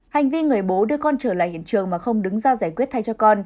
hành vi người bố đưa con trở lại hiện trường mà không đứng ra giải quyết thay cho con